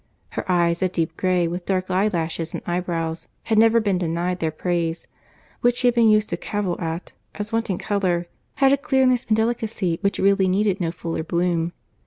Her eyes, a deep grey, with dark eye lashes and eyebrows, had never been denied their praise; but the skin, which she had been used to cavil at, as wanting colour, had a clearness and delicacy which really needed no fuller bloom.